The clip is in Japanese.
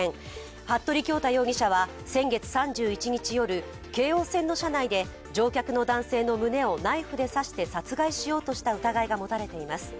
服部恭太容疑者は先月３１日夜京王線の車内で乗客の男性の胸をナイフで刺して殺害しようとした疑いが持たれています。